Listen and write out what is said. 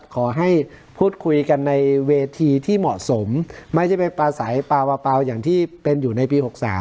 ขอให้พูดคุยกันในเวทีที่เหมาะสมไม่ใช่ไปปลาใสปาวาวอย่างที่เป็นอยู่ในปี๖๓